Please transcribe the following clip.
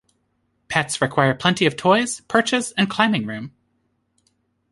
Pets require plenty of toys, perches, and climbing room.